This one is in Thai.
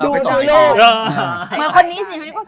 ไปส่งอย่างนี้